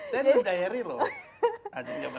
saya nulis diary loh